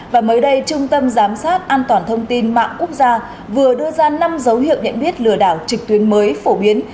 và mới đây trung tâm giám sát an toàn thông tin mạng quốc gia vừa đưa ra năm dấu hiệu nhận biết lừa đảo trực tuyến mới phổ biến